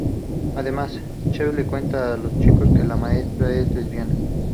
Además, Chef les cuenta a los chicos de que la maestra es lesbiana.